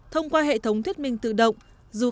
thông qua hệ thống thiết minh tự động